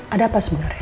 ada apa sebenarnya